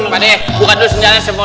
pak d buka dulu senjata semua